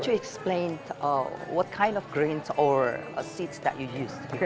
bisa anda jelaskan apa jenis kain atau buah yang anda gunakan